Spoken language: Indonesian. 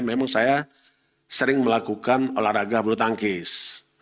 memang saya sering melakukan olahraga belutangkis